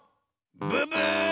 ブブー！